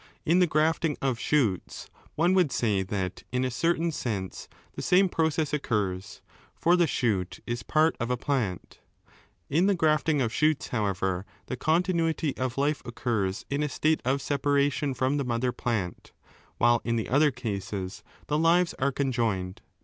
In the grafting of shoots, one would say that in a certain sense this same process occurs, for the shoot is part of a plant. In the grafting of shoots, however, the conti nuity of life occurs in a state of separation from the mother plant, while in the other cases the lives are 6 conjoined.